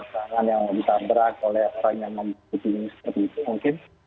tangan yang ditabrak oleh orang yang membutuhkan seperti itu mungkin